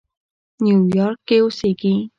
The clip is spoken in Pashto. نیویارک کې اوسېږي.